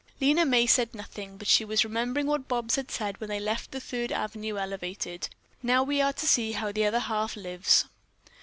Lena May said nothing, but she was remembering what Bobs had said when they had left the Third Avenue Elevated: "Now we are to see how the 'other half' lives."